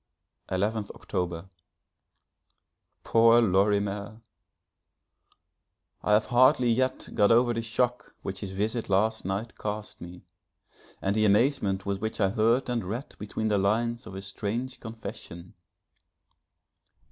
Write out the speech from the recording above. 11th October. Poor Lorimer! I have hardly yet got over the shock which his visit last night caused me, and the amazement with which I heard and read between the lines of his strange confession.